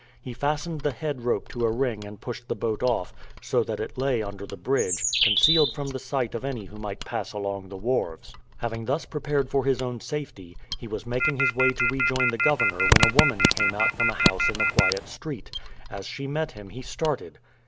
He fastened the head rope to a ring and pushed the boat off, so that it lay under the bridge, concealed from the sight of any who might pass along the wharves. Having thus prepared for his own safety, he was making his way to rejoin the governor when a woman came out from a house in a quiet street. As she met him he started.